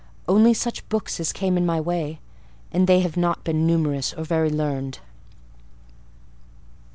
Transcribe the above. "Only such books as came in my way; and they have not been numerous or very learned."